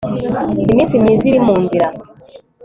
iminsi myiza iri mu nzira